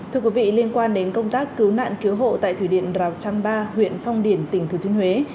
thưa quý vị liên quan đến công tác cứu nạn cứu hộ tại thủy điện rào trăng ba huyện phong điền tỉnh thừa thuyên huế